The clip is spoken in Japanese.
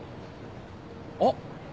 あっ！